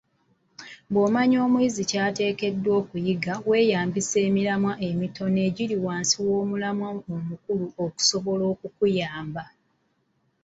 Bw’omanya omuyizi ky’ateekeddwa okuyiga, weeyambisa emiramwa emitono egiri wansi w’omulamwa omukulu okusobola okukuyamba